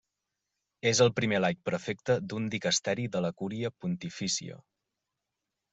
És el primer laic prefecte d'un dicasteri de la Cúria Pontifícia.